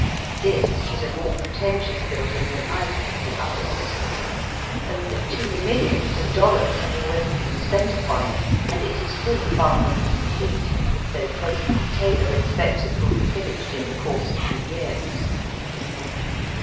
This is a more pretentious building than either of the others. Over two miUions of dollars have already been spent upon it, and it is still far from complete, though President Taylor expects it will be finished in the course of two years.